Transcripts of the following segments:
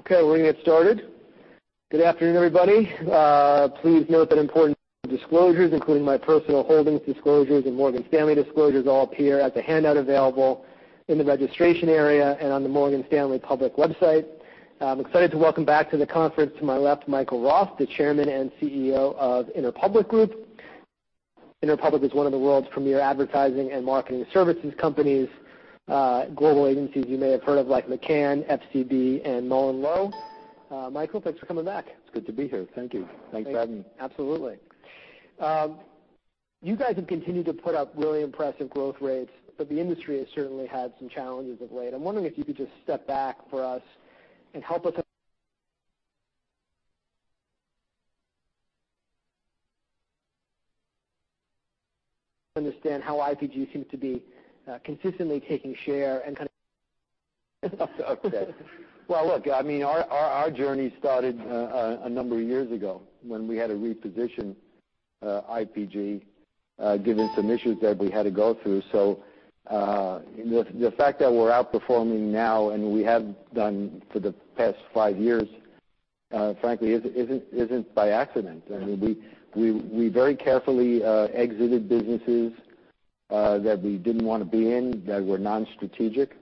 Okay, we're going to get started. Good afternoon, everybody. Please note that important disclosures, including my personal holdings disclosures and Morgan Stanley disclosures, all appear as a handout available in the registration area and on the Morgan Stanley public website. I'm excited to welcome back to the conference, to my left, Michael Roth, the Chairman and CEO of Interpublic Group. Interpublic is one of the world's premier advertising and marketing services companies, global agencies you may have heard of like McCann, FCB, and MullenLowe. Michael, thanks for coming back. It's good to be here. Thank you. Thanks for having me. Absolutely. You guys have continued to put up really impressive growth rates, but the industry has certainly had some challenges of late. I'm wondering if you could just step back for us and help us understand how IPG seems to be consistently taking share and. Okay. Well, look, I mean, our journey started a number of years ago when we had to reposition IPG, given some issues that we had to go through. So the fact that we're outperforming now and we have done for the past five years, frankly, isn't by accident. I mean, we very carefully exited businesses that we didn't want to be in, that were non-strategic.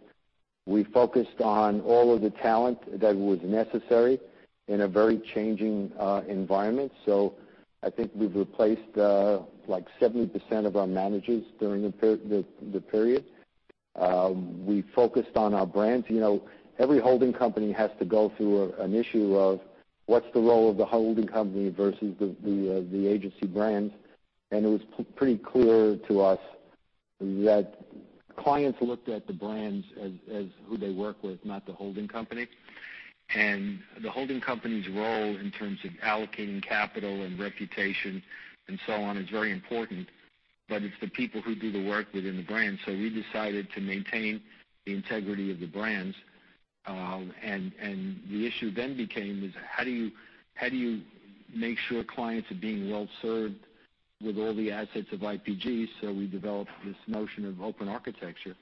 We focused on all of the talent that was necessary in a very changing environment. So I think we've replaced like 70% of our managers during the period. We focused on our brands. Every holding company has to go through an issue of what's the role of the holding company versus the agency brands. And it was pretty clear to us that clients looked at the brands as who they work with, not the holding company. And the holding company's role in terms of allocating capital and reputation and so on is very important, but it's the people who do the work within the brand. So we decided to maintain the integrity of the brands. And the issue then became is how do you make sure clients are being well served with all the assets of IPG? So we developed this notion of open architecture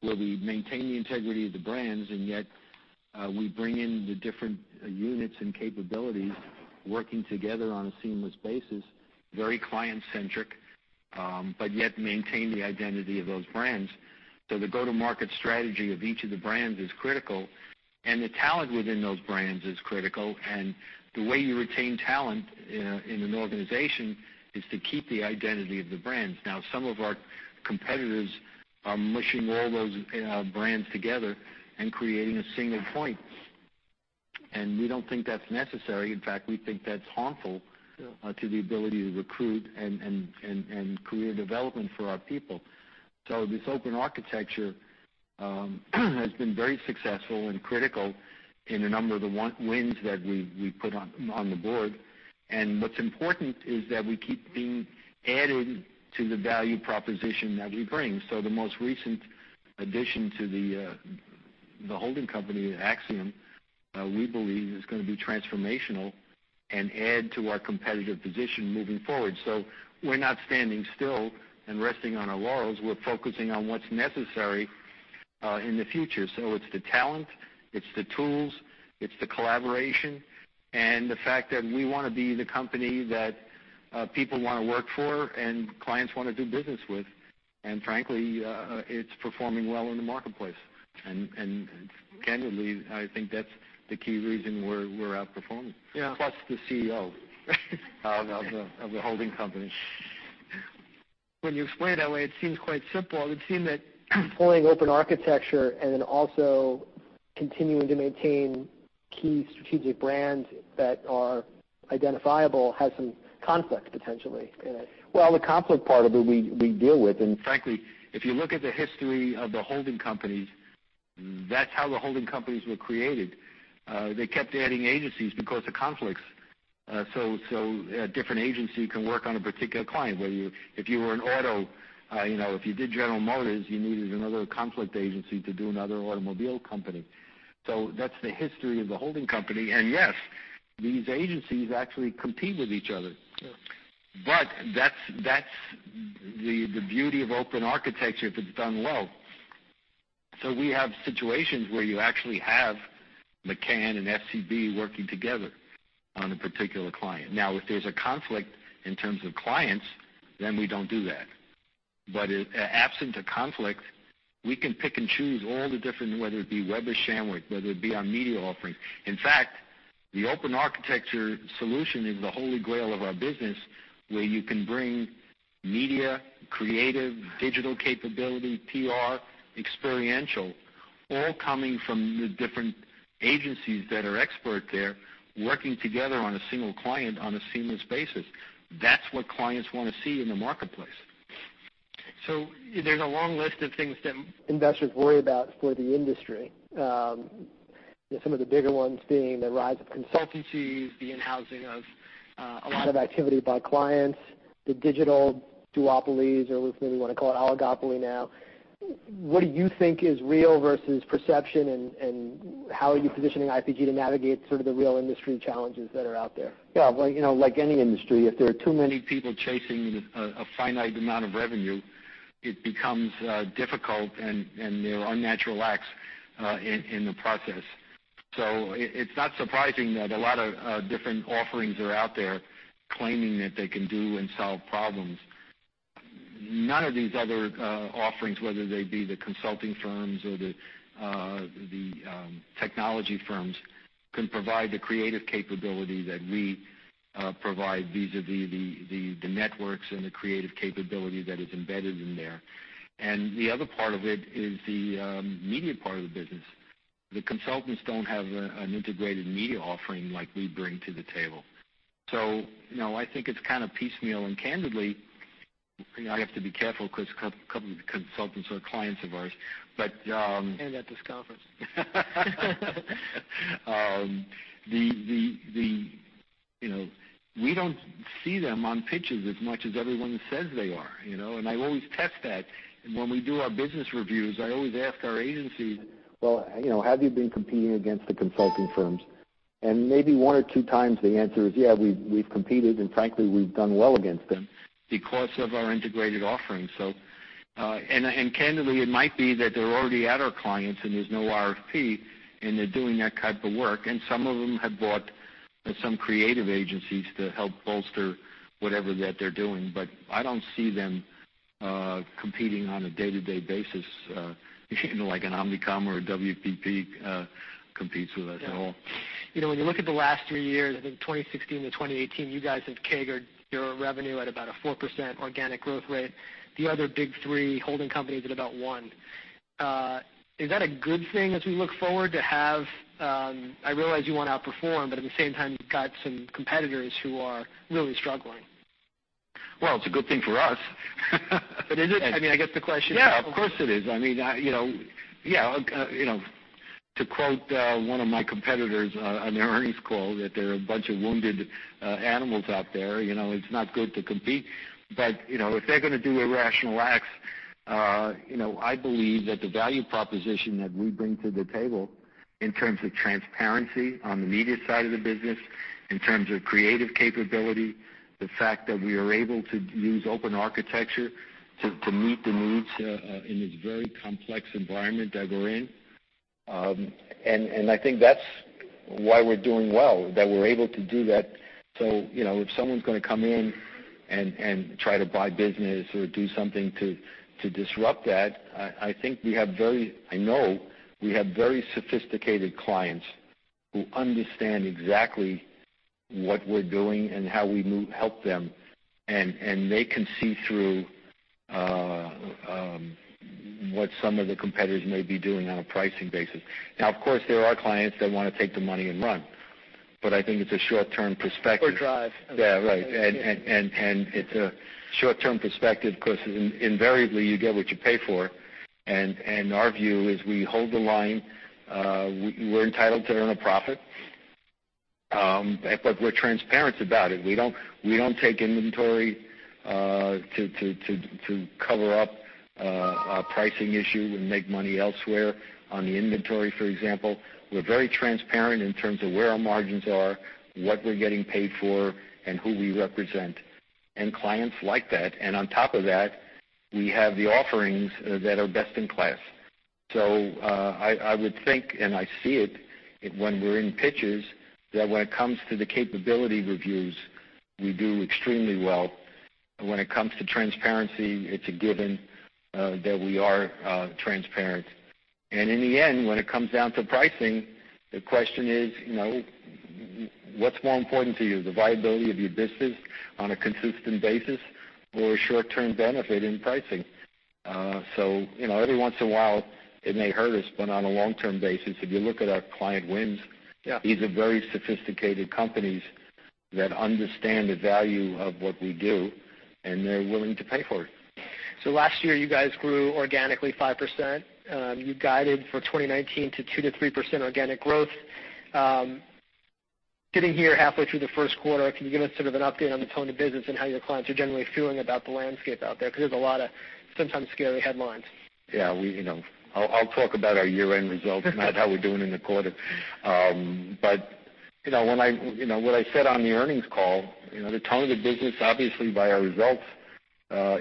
where we maintain the integrity of the brands, and yet we bring in the different units and capabilities working together on a seamless basis, very client-centric, but yet maintain the identity of those brands. So the go-to-market strategy of each of the brands is critical, and the talent within those brands is critical. And the way you retain talent in an organization is to keep the identity of the brands. Now, some of our competitors are mushing all those brands together and creating a single point. And we don't think that's necessary. In fact, we think that's harmful to the ability to recruit and career development for our people. So this open architecture has been very successful and critical in a number of the wins that we put on the board. And what's important is that we keep being added to the value proposition that we bring. So the most recent addition to the holding company, Acxiom, we believe is going to be transformational and add to our competitive position moving forward. So we're not standing still and resting on our laurels. We're focusing on what's necessary in the future. So it's the talent, it's the tools, it's the collaboration, and the fact that we want to be the company that people want to work for and clients want to do business with. And frankly, it's performing well in the marketplace. And candidly, I think that's the key reason we're outperforming. Plus the CEO of the holding company. When you explain it that way, it seems quite simple. It would seem that pulling open architecture and then also continuing to maintain key strategic brands that are identifiable has some conflict potentially in it. The conflict part of it we deal with. Frankly, if you look at the history of the holding companies, that's how the holding companies were created. They kept adding agencies because of conflicts. A different agency can work on a particular client. If you were in auto, if you did General Motors, you needed another conflict agency to do another automobile company. That's the history of the holding company. Yes, these agencies actually compete with each other. That's the beauty of open architecture if it's done well. We have situations where you actually have McCann and FCB working together on a particular client. Now, if there's a conflict in terms of clients, then we don't do that. But absent a conflict, we can pick and choose all the different, whether it be Weber Shandwick, whether it be our media offering. In fact, the open architecture solution is the Holy Grail of our business, where you can bring media, creative, digital capability, PR, experiential, all coming from the different agencies that are experts there working together on a single client on a seamless basis. That's what clients want to see in the marketplace. So there's a long list of things that investors worry about for the industry. Some of the bigger ones being the rise of consultancies, the in-housing of a lot of activity by clients, the digital duopolies, or maybe we want to call it oligopoly now. What do you think is real versus perception, and how are you positioning IPG to navigate sort of the real industry challenges that are out there? Yeah. Like any industry, if there are too many people chasing a finite amount of revenue, it becomes difficult, and there are unnatural acts in the process. So it's not surprising that a lot of different offerings are out there claiming that they can do and solve problems. None of these other offerings, whether they be the consulting firms or the technology firms, can provide the creative capability that we provide vis-à-vis the networks and the creative capability that is embedded in there. And the other part of it is the media part of the business. The consultants don't have an integrated media offering like we bring to the table. So I think it's kind of piecemeal, and candidly, I have to be careful because a couple of the consultants are clients of ours, but. And at this conference. We don't see them on pictures as much as everyone says they are. And I always test that. And when we do our business reviews, I always ask our agencies, "Well, have you been competing against the consulting firms?" And maybe one or 2x the answer is, "Yeah, we've competed, and frankly, we've done well against them because of our integrated offering." And candidly, it might be that they're already at our clients and there's no RFP, and they're doing that type of work. And some of them have brought some creative agencies to help bolster whatever that they're doing. But I don't see them competing on a day-to-day basis, like an Omnicom or a WPP competes with us at all. When you look at the last three years, I think 2016 to 2018, you guys have gotten your revenue at about a 4% organic growth rate. The other big three holding companies at about 1%. Is that a good thing as we look forward to have? I realize you want to outperform, but at the same time, you've got some competitors who are really struggling. It's a good thing for us. But is it? I mean, I guess the question is. Yeah, of course it is. I mean, yeah. To quote one of my competitors on their earnings call, that there are a bunch of wounded animals out there, it's not good to compete. But if they're going to do irrational acts, I believe that the value proposition that we bring to the table in terms of transparency on the media side of the business, in terms of creative capability, the fact that we are able to use open architecture to meet the needs in this very complex environment that we're in. And I think that's why we're doing well, that we're able to do that. So if someone's going to come in and try to buy business or do something to disrupt that, I think we have very, I know we have very sophisticated clients who understand exactly what we're doing and how we help them. And they can see through what some of the competitors may be doing on a pricing basis. Now, of course, there are clients that want to take the money and run. But I think it's a short-term perspective. Short drive. Yeah, right. And it's a short-term perspective, because invariably you get what you pay for. And our view is we hold the line. We're entitled to earn a profit, but we're transparent about it. We don't take inventory to cover up our pricing issue and make money elsewhere on the inventory, for example. We're very transparent in terms of where our margins are, what we're getting paid for, and who we represent. And clients like that. And on top of that, we have the offerings that are best in class. So I would think, and I see it when we're in pitches, that when it comes to the capability reviews, we do extremely well. When it comes to transparency, it's a given that we are transparent. And in the end, when it comes down to pricing, the question is, what's more important to you? The viability of your business on a consistent basis or a short-term benefit in pricing? So every once in a while, it may hurt us, but on a long-term basis, if you look at our client wins, these are very sophisticated companies that understand the value of what we do, and they're willing to pay for it. So last year, you guys grew organically 5%. You guided for 2019 to 2%-3% organic growth. Getting here halfway through the first quarter, can you give us sort of an update on the tone of business and how your clients are generally feeling about the landscape out there? Because there's a lot of sometimes scary headlines. Yeah. I'll talk about our year-end results, not how we're doing in the quarter, but what I said on the earnings call, the tone of the business, obviously by our results,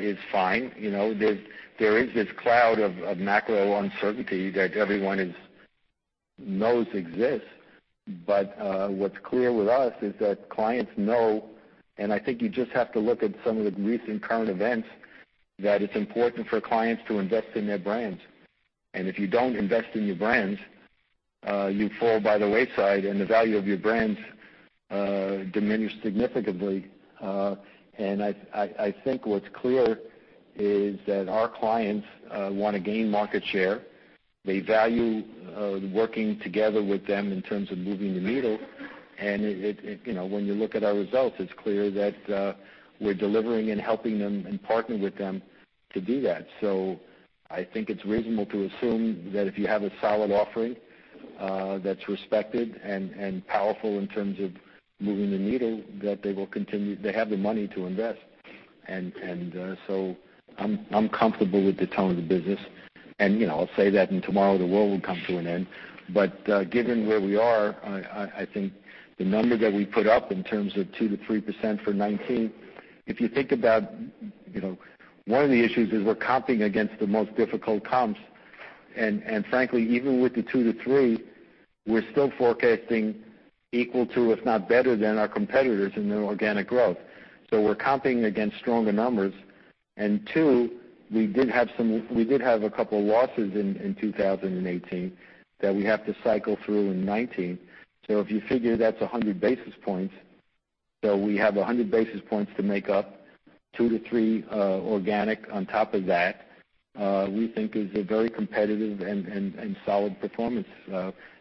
is fine. There is this cloud of macro uncertainty that everyone knows exists, but what's clear with us is that clients know, and I think you just have to look at some of the recent current events, that it's important for clients to invest in their brands, and if you don't invest in your brands, you fall by the wayside, and the value of your brands diminish significantly. I think what's clear is that our clients want to gain market share. They value working together with them in terms of moving the needle, and when you look at our results, it's clear that we're delivering and helping them and partnering with them to do that. So I think it's reasonable to assume that if you have a solid offering that's respected and powerful in terms of moving the needle, that they will continue. They have the money to invest. And so I'm comfortable with the tone of the business. And I'll say that, and tomorrow the world will come to an end. But given where we are, I think the number that we put up in terms of 2%-3% for 2019. If you think about one of the issues is we're comping against the most difficult comps. And frankly, even with the 2%-3%, we're still forecasting equal to, if not better than our competitors in their organic growth. So we're comping against stronger numbers. And two, we did have a couple of losses in 2018 that we have to cycle through in 2019. So if you figure that's 100 basis points, so we have 100 basis points to make up 2 to 3 organic on top of that, we think is a very competitive and solid performance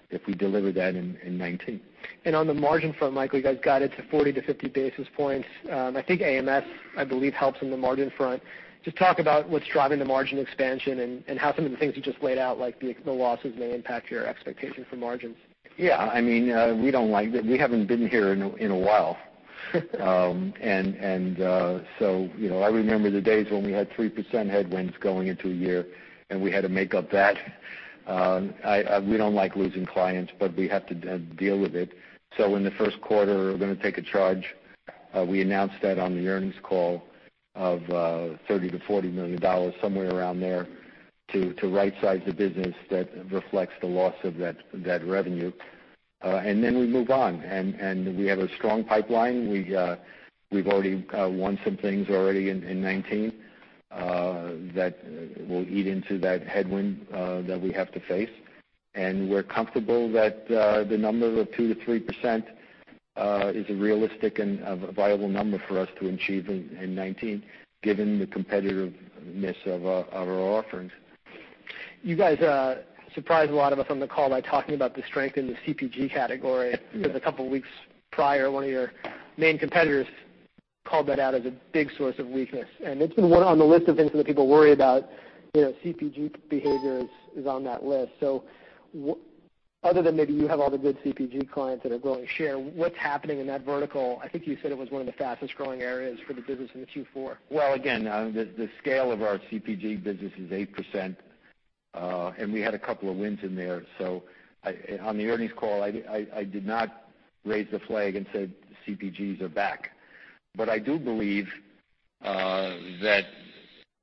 if we deliver that in 2019. And on the margin front, Michael, you guys got it to 40-50 basis points. I think AMS, I believe, helps in the margin front. Just talk about what's driving the margin expansion and how some of the things you just laid out, like the losses, may impact your expectation for margins. Yeah. I mean, we don't like that. We haven't been here in a while. And so I remember the days when we had 3% headwinds going into a year, and we had to make up that. We don't like losing clients, but we have to deal with it. So in the first quarter, we're going to take a charge. We announced that on the earnings call of $30 million-$40 million, somewhere around there, to right-size the business that reflects the loss of that revenue. And then we move on. And we have a strong pipeline. We've already won some things in 2019 that will eat into that headwind that we have to face. And we're comfortable that the number of 2%-3% is a realistic and a viable number for us to achieve in 2019, given the competitiveness of our offerings. You guys surprised a lot of us on the call by talking about the strength in the CPG category. A couple of weeks prior, one of your main competitors called that out as a big source of weakness, and it's been one on the list of things that people worry about. CPG behavior is on that list, so other than maybe you have all the good CPG clients that are growing share, what's happening in that vertical? I think you said it was one of the fastest growing areas for the business in the Q4. Again, the scale of our CPG business is 8%. And we had a couple of wins in there. So on the earnings call, I did not raise the flag and say, "CPGs are back." But I do believe that,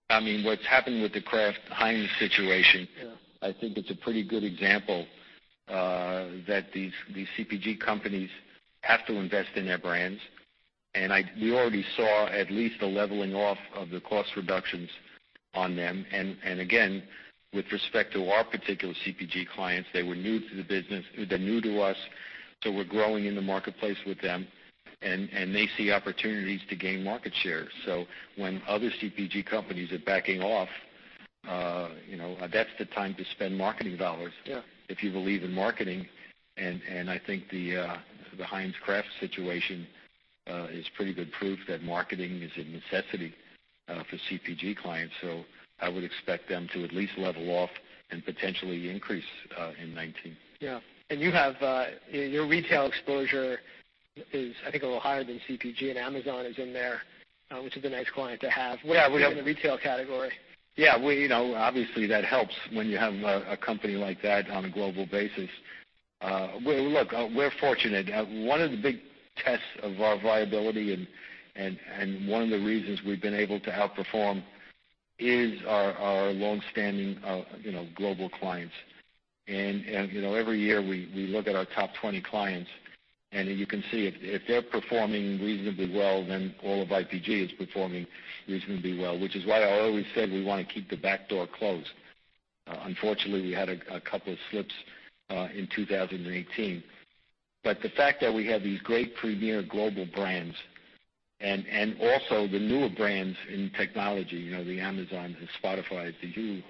I mean, what's happened with the Kraft Heinz situation, I think it's a pretty good example that these CPG companies have to invest in their brands. And we already saw at least the leveling off of the cost reductions on them. And again, with respect to our particular CPG clients, they were new to the business. They're new to us. So we're growing in the marketplace with them. And they see opportunities to gain market share. So when other CPG companies are backing off, that's the time to spend marketing dollars if you believe in marketing. I think the Kraft Heinz situation is pretty good proof that marketing is a necessity for CPG clients. I would expect them to at least level off and potentially increase in 2019. Yeah, and your retail exposure is, I think, a little higher than CPG, and Amazon is in there, which is a nice client to have. What about in the retail category? Yeah. Obviously, that helps when you have a company like that on a global basis. Look, we're fortunate. One of the big tests of our viability and one of the reasons we've been able to outperform is our long-standing global clients, and every year, we look at our top 20 clients, and you can see if they're performing reasonably well, then all of IPG is performing reasonably well, which is why I always said we want to keep the back door closed. Unfortunately, we had a couple of slips in 2018, but the fact that we have these great premier global brands and also the newer brands in technology, the Amazons, the Spotifys, the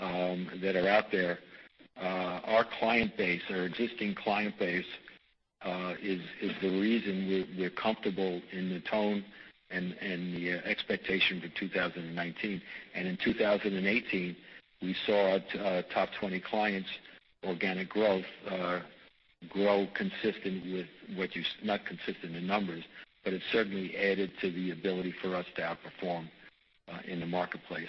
Hulus, that are out there, our client base, our existing client base, is the reason we're comfortable in the tone and the expectation for 2019. In 2018, we saw our top 20 clients' organic growth grow consistent with what you, not consistent in numbers, but it certainly added to the ability for us to outperform in the marketplace.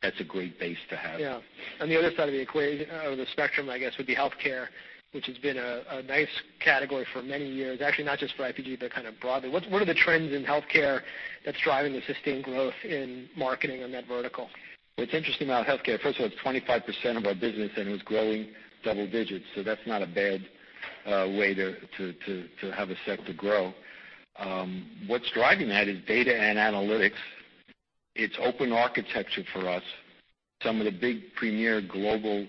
That's a great base to have. Yeah. On the other side of the spectrum, I guess, would be healthcare, which has been a nice category for many years, actually not just for IPG, but kind of broadly. What are the trends in healthcare that's driving the sustained growth in marketing on that vertical? What's interesting about healthcare, first of all, it's 25% of our business, and it was growing double digits. So that's not a bad way to have a sector grow. What's driving that is data and analytics. It's open architecture for us. Some of the big premier global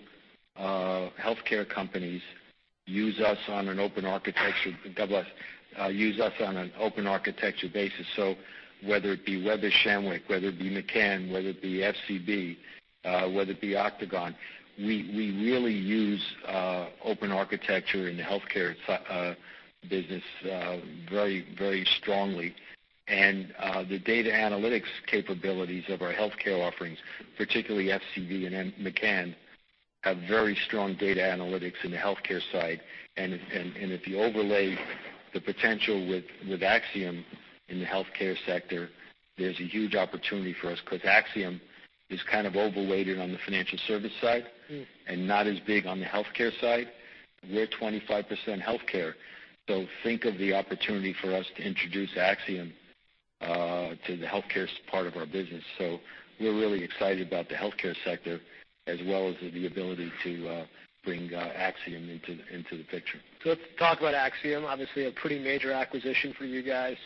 healthcare companies use us on an open architecture basis. So whether it be Weber Shandwick, whether it be McCann, whether it be FCB, whether it be Octagon, we really use open architecture in the healthcare business very, very strongly. And the data analytics capabilities of our healthcare offerings, particularly FCB and McCann, have very strong data analytics in the healthcare side. And if you overlay the potential with Acxiom in the healthcare sector, there's a huge opportunity for us because Acxiom is kind of overweighted on the financial service side and not as big on the healthcare side. We're 25% healthcare, so think of the opportunity for us to introduce Acxiom to the healthcare part of our business, so we're really excited about the healthcare sector as well as the ability to bring Acxiom into the picture. So let's talk about Acxiom. Obviously, a pretty major acquisition for you guys.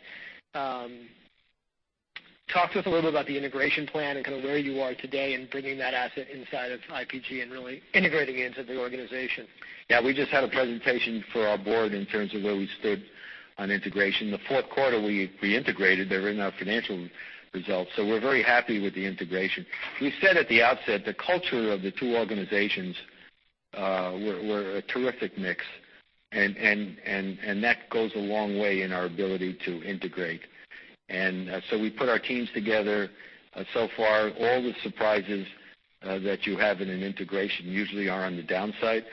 Talk to us a little bit about the integration plan and kind of where you are today in bringing that asset inside of IPG and really integrating it into the organization. Yeah. We just had a presentation for our board in terms of where we stood on integration. The fourth quarter, we integrated. They're in our financial results. So we're very happy with the integration. We said at the outset, the culture of the two organizations were a terrific mix. And that goes a long way in our ability to integrate. And so we put our teams together. So far, all the surprises that you have in an integration usually are on the downside.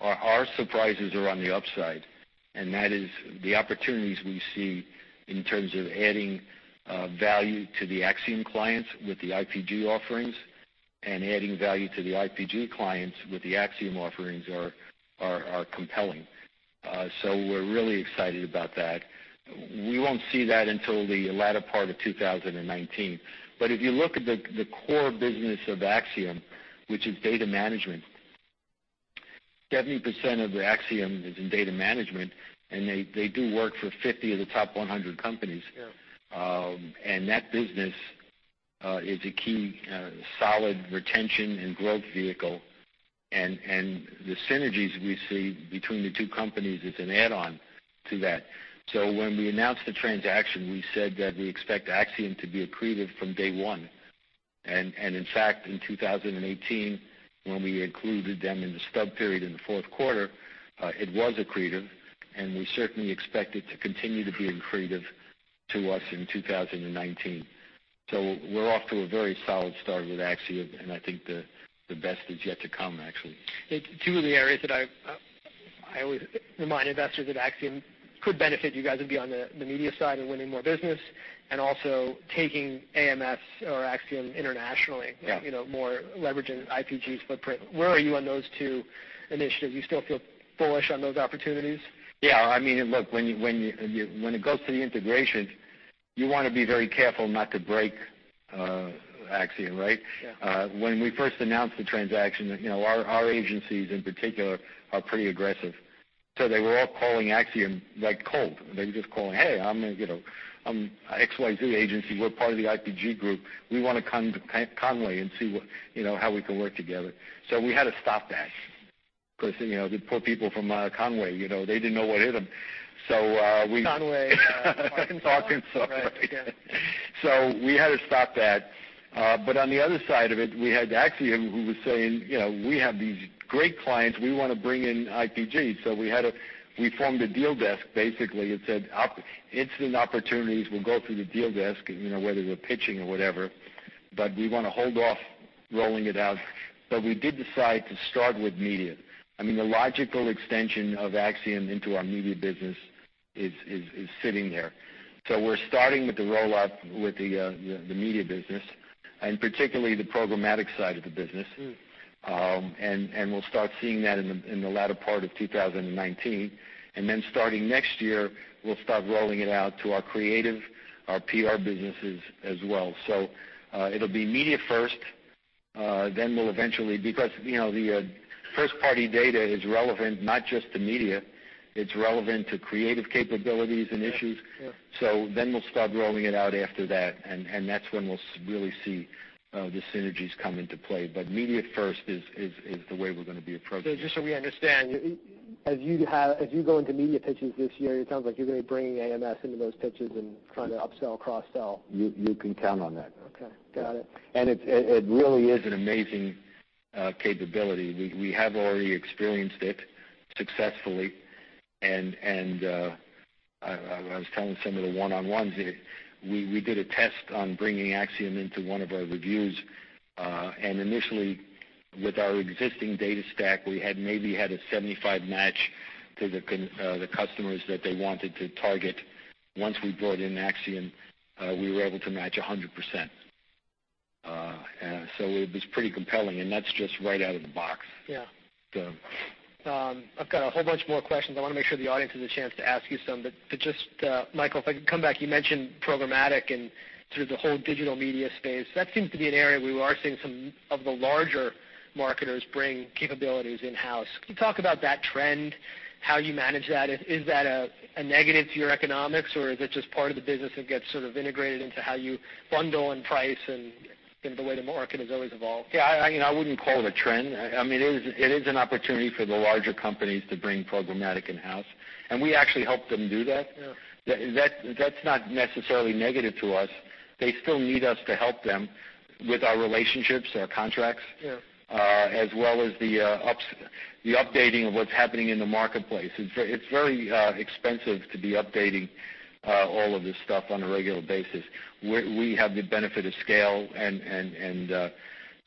Our surprises are on the upside. And that is the opportunities we see in terms of adding value to the Acxiom clients with the IPG offerings and adding value to the IPG clients with the Acxiom offerings are compelling. So we're really excited about that. We won't see that until the latter part of 2019. But if you look at the core business of Acxiom, which is data management, 70% of the Acxiom is in data management, and they do work for 50 of the top 100 companies. And that business is a key solid retention and growth vehicle. And the synergies we see between the two companies is an add-on to that. So when we announced the transaction, we said that we expect Acxiom to be accretive from day one. And in fact, in 2018, when we included them in the stub period in the fourth quarter, it was accretive. And we certainly expect it to continue to be accretive to us in 2019. So we're off to a very solid start with Acxiom. And I think the best is yet to come, actually. Two of the areas that I always remind investors that Acxiom could benefit you guys would be on the media side of winning more business and also taking AMS or Acxiom internationally, more leveraging IPG's footprint. Where are you on those two initiatives? You still feel bullish on those opportunities? Yeah. I mean, look, when it goes to the integration, you want to be very careful not to break Acxiom, right? When we first announced the transaction, our agencies in particular are pretty aggressive. So they were all calling Acxiom like cold. They were just calling, "Hey, I'm XYZ agency. We're part of the IPG group. We want to come to Conway and see how we can work together." So we had to stop that because the poor people from Conway, they didn't know what hit them. So we. Conway, Arkansas. Arkansas. So we had to stop that. But on the other side of it, we had Acxiom who was saying, "We have these great clients. We want to bring in IPG." So we formed a deal desk, basically, and said, "Incumbent opportunities, we'll go through the deal desk, whether we're pitching or whatever. But we want to hold off rolling it out." But we did decide to start with media. I mean, the logical extension of Acxiom into our media business is sitting there. So we're starting with the rollout with the media business, and particularly the programmatic side of the business. And we'll start seeing that in the latter part of 2019. And then starting next year, we'll start rolling it out to our creative, our PR businesses as well. So it'll be media first. Then we'll eventually, because the first-party data is relevant, not just to media. It's relevant to creative capabilities and issues. So then we'll start rolling it out after that. And that's when we'll really see the synergies come into play. But media first is the way we're going to be approaching it. So just so we understand, as you go into media pitches this year, it sounds like you're going to be bringing AMS into those pitches and trying to upsell, cross-sell. You can count on that. Okay. Got it. It really is an amazing capability. We have already experienced it successfully. I was telling some of the one-on-ones, we did a test on bringing Acxiom into one of our reviews. Initially, with our existing data stack, we had maybe had a 75% match to the customers that they wanted to target. Once we brought in Acxiom, we were able to match 100%. It was pretty compelling. That's just right out of the box. Yeah. I've got a whole bunch more questions. I want to make sure the audience has a chance to ask you some. But just, Michael, if I could come back, you mentioned programmatic and sort of the whole digital media space. That seems to be an area we are seeing some of the larger marketers bring capabilities in-house. Can you talk about that trend, how you manage that? Is that a negative to your economics, or is it just part of the business that gets sort of integrated into how you bundle and price and the way the market has always evolved? Yeah. I mean, I wouldn't call it a trend. I mean, it is an opportunity for the larger companies to bring programmatic in-house. And we actually help them do that. That's not necessarily negative to us. They still need us to help them with our relationships, our contracts, as well as the updating of what's happening in the marketplace. It's very expensive to be updating all of this stuff on a regular basis. We have the benefit of scale. And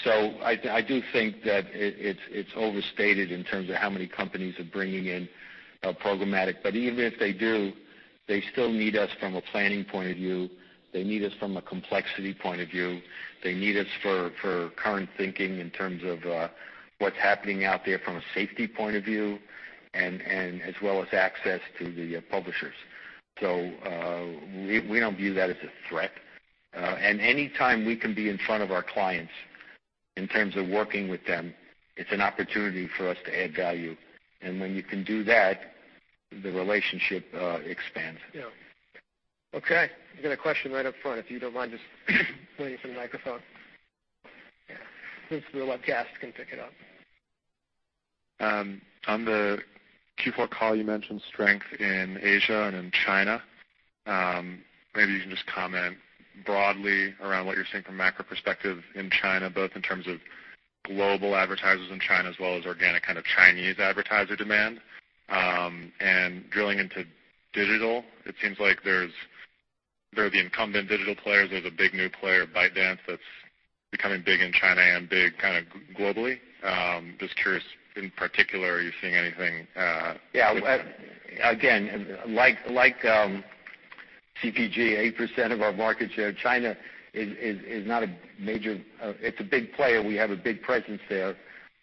so I do think that it's overstated in terms of how many companies are bringing in programmatic. But even if they do, they still need us from a planning point of view. They need us from a complexity point of view. They need us for current thinking in terms of what's happening out there from a safety point of view, as well as access to the publishers. So we don't view that as a threat. And anytime we can be in front of our clients in terms of working with them, it's an opportunity for us to add value. And when you can do that, the relationship expands. Yeah. Okay. I've got a question right up front. If you don't mind just waiting for the microphone, since the webcast can pick it up. On the Q4 call, you mentioned strength in Asia and in China. Maybe you can just comment broadly around what you're seeing from a macro perspective in China, both in terms of global advertisers in China as well as organic kind of Chinese advertiser demand. And drilling into digital, it seems like there are the incumbent digital players. There's a big new player, ByteDance, that's becoming big in China and big kind of globally. Just curious, in particular, are you seeing anything? Yeah. Again, like CPG, 8% of our market share. China is not a major. It's a big player. We have a big presence there,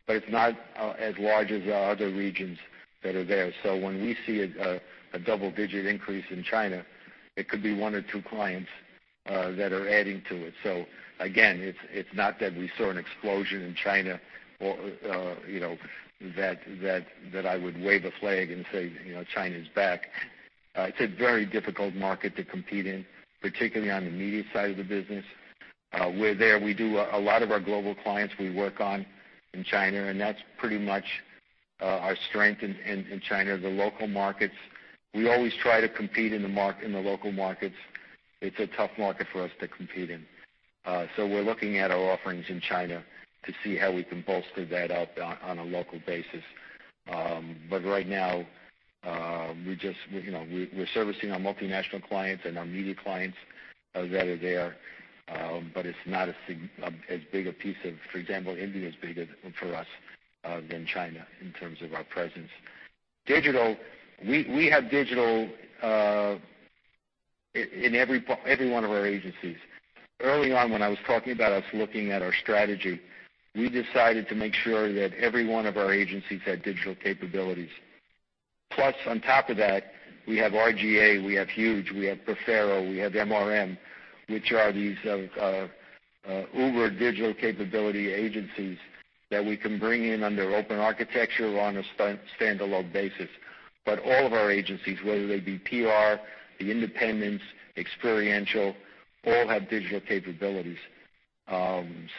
but it's not as large as the other regions that are there. So when we see a double-digit increase in China, it could be one or two clients that are adding to it. So again, it's not that we saw an explosion in China that I would wave a flag and say, "China's back." It's a very difficult market to compete in, particularly on the media side of the business. We're there. We do a lot of our global clients we work on in China, and that's pretty much our strength in China, the local markets. We always try to compete in the local markets. It's a tough market for us to compete in. So we're looking at our offerings in China to see how we can bolster that out on a local basis. But right now, we're servicing our multinational clients and our media clients that are there. But it's not as big a piece of, for example, India is bigger for us than China in terms of our presence. Digital, we have digital in every one of our agencies. Early on, when I was talking about us looking at our strategy, we decided to make sure that every one of our agencies had digital capabilities. Plus, on top of that, we have R/GA. We have Huge. We have Profero. We have MRM, which are these uber digital capability agencies that we can bring in under open architecture or on a standalone basis. But all of our agencies, whether they be PR, the independents, experiential, all have digital capabilities.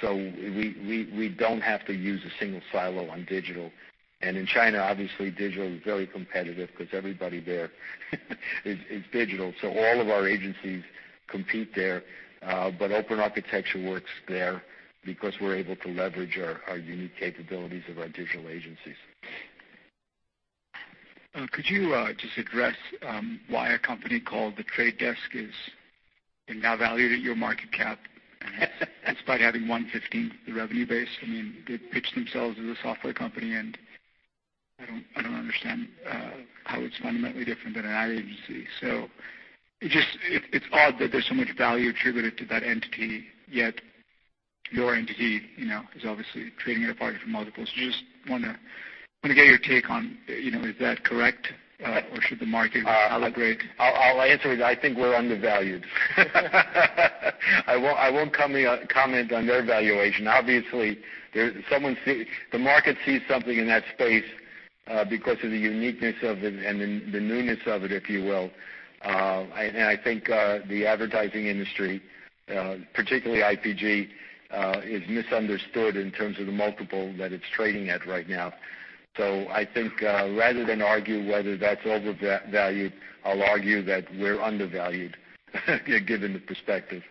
So we don't have to use a single silo on digital. And in China, obviously, digital is very competitive because everybody there is digital. So all of our agencies compete there. But open architecture works there because we're able to leverage our unique capabilities of our digital agencies. Could you just address why a company called The Trade Desk is now valued at your market cap despite having 115, the revenue base? I mean, they pitched themselves as a software company, and I don't understand how it's fundamentally different than an ad agency. So it's odd that there's so much value attributed to that entity, yet your entity is obviously trading at a bargain multiple. So I just want to get your take on, is that correct, or should the market calibrate? I'll answer it. I think we're undervalued. I won't comment on their valuation. Obviously, the market sees something in that space because of the uniqueness of it and the newness of it, if you will. And I think the advertising industry, particularly IPG, is misunderstood in terms of the multiple that it's trading at right now. So I think rather than argue whether that's overvalued, I'll argue that we're undervalued given the perspective.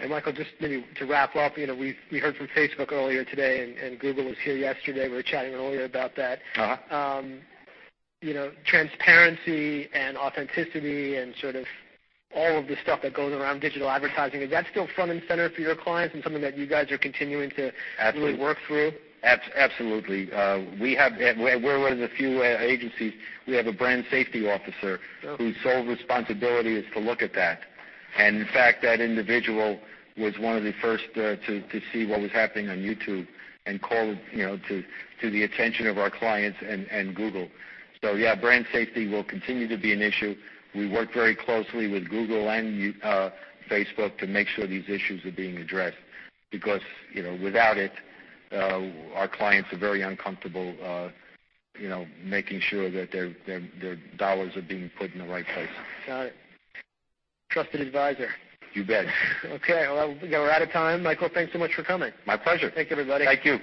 And Michael, just to wrap up, we heard from Facebook earlier today, and Google was here yesterday. We were chatting earlier about that. Transparency and authenticity and sort of all of the stuff that goes around digital advertising, is that still front and center for your clients and something that you guys are continuing to really work through? Absolutely. We're one of the few agencies. We have a brand safety officer whose sole responsibility is to look at that, and in fact, that individual was one of the first to see what was happening on YouTube and call it to the attention of our clients and Google, so yeah, brand safety will continue to be an issue. We work very closely with Google and Facebook to make sure these issues are being addressed because without it, our clients are very uncomfortable making sure that their dollars are being put in the right place. Got it. Trusted advisor. You bet. Okay. Well, we're out of time. Michael, thanks so much for coming. My pleasure. Thank you, everybody. Thank you.